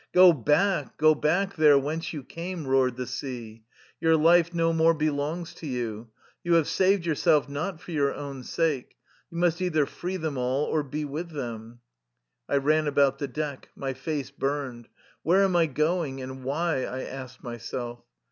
" Go back, go back there whence you came !'^ roared the sea. " Your life no more belongs to you. You have saved yourself not for your own sake. You must either free them all, or be with them. .. J' I ran about the deck. My face burned. Where am I going, and why? I asked myself.